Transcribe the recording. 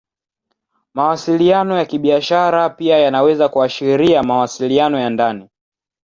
Mawasiliano ya Kibiashara pia yanaweza kuashiria mawasiliano ya ndani.